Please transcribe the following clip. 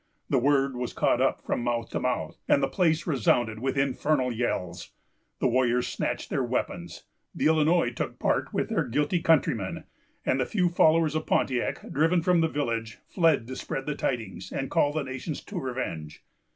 The word was caught up from mouth to mouth, and the place resounded with infernal yells. The warriors snatched their weapons. The Illinois took part with their guilty countryman; and the few followers of Pontiac, driven from the village, fled to spread the tidings and call the nations to revenge.